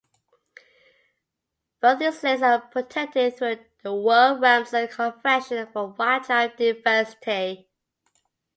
Both these lakes are protected through the World Ramsar Convention for Wildlife Diversity.